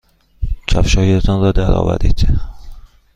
کفشهایتان را درآورید.